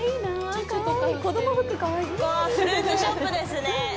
ここはフルーツショップですね。